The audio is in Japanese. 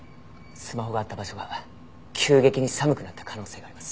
スマホがあった場所が急激に寒くなった可能性があります。